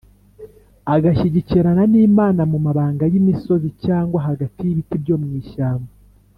, agashyikirana n’Imana mu mabanga y’imisozi cyangwa hagati y’ibiti byo mu ishyamba